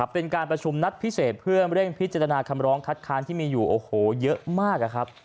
เป็นการประชุมนัดพิเศษเพื่อเร่งพิจารณาคำร้องคัดค้านที่มีอยู่โอ้โหเยอะมากนะครับ